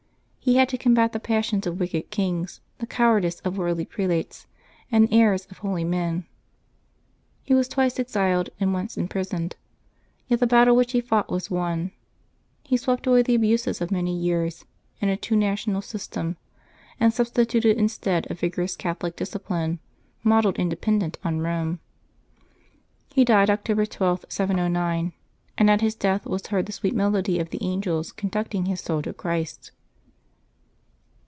He had to combat the passions of wicked kings, the cowardice of worldly prelates, the errors of holy men. He was twice exiled and once imprisoned; yet the battle which he fought was won. He swept away the abuses of many years and a too national system, and substituted in stead a vigorous Catholic discipline, modelled and de pendent on Eome. He died October 12, 709, and at his death was heard the sweet melody of the angels conducting his soul to Christ.